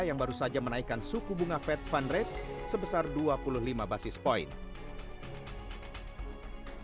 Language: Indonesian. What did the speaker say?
yang baru saja menaikkan suku bunga fed fund rate sebesar dua puluh lima basis point